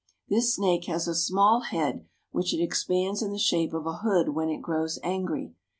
This snake has a small head which it expands in the shape of a hood when it grows angry.